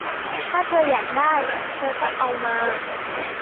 ถ้าเธออยากได้ เธอต้องเอามา